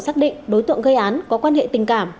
xác định đối tượng gây án có quan hệ tình cảm